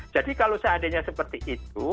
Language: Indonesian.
jadi kalau seandainya seperti itu